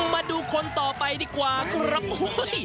มาดูคนต่อไปดีกว่ารักครับโอ้โฮ